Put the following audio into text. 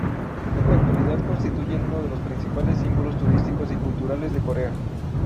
En la actualidad constituyen uno de los principales símbolos turísticos y culturales de Corea.